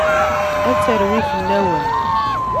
Ad terwi fell-awen.